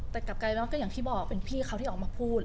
แต่กลับกลายเป็นว่าก็อย่างที่บอกเป็นพี่เขาที่ออกมาพูด